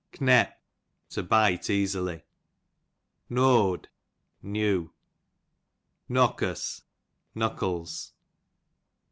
Knep, to bite easily. Knoad, knew. Knockus, knuckles.